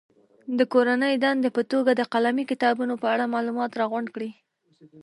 د کورنۍ دندې په توګه د قلمي کتابونو په اړه معلومات راغونډ کړي.